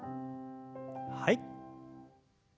はい。